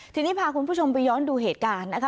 ทีนี้พาคุณผู้ชมไปย้อนดูเหตุการณ์นะคะ